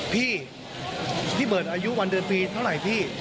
พี่พี่เบิร์ตอายุวันเดือนปีเท่าไหร่พี่